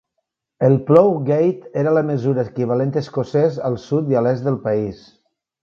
El "ploughgate" era la mesura equivalent escocès al sud i l'est del país.